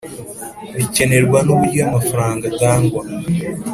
Bikenerwa n uburyo amafaranga atangwa